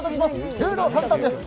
ルールは簡単です。